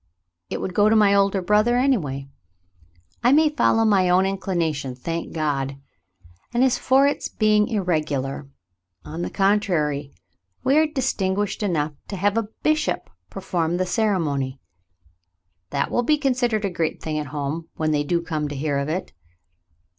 It would go to my older brother, anyway. I may follow my own inclination — thank God ! And as for it's being irregu lar — on the contrary — we are distinguished enough to have a bishop perform the ceremony. That will be con sidered a great thing at home — when they do come to hear of it."